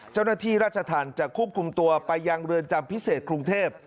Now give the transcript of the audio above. เจ้าหน้าที่ราชธรรมจะควบคุมตัวไปยังเรือนจำพิเศษกรุงเทพ